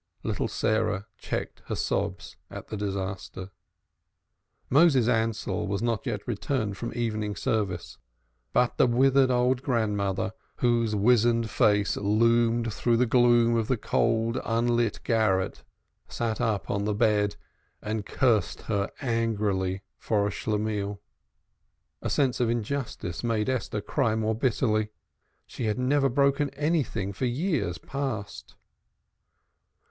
Little Sarah checked her sobs at the disaster. Moses Ansell was not yet returned from evening service, but the withered old grandmother, whose wizened face loomed through the gloom of the cold, unlit garret, sat up on the bed and cursed her angrily for a Schlemihl. A sense of injustice made Esther cry more bitterly. She had never broken anything for years past.